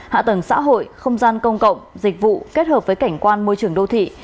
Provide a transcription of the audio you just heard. hạ tầng xã hội không gian công cộng dịch vụ kết hợp với cảnh quan môi trường đô thị